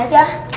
nanti dia bawa